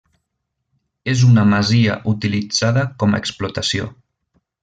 És una masia utilitzada com a explotació.